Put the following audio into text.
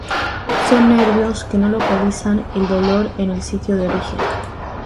Son nervios que no localizan el dolor en el sitio de origen.